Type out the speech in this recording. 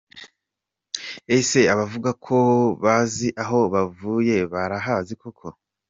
Ese abavuga ko bazi aho bavuye barahazi koko?